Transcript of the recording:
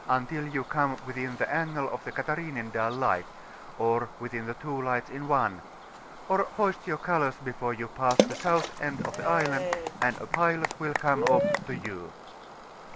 until you come within the ansle of the'Uatharinendiil Light, or with the two lights in one; or hoist your colours before you pass the south end of the island, and a pilot will come ofi* to you.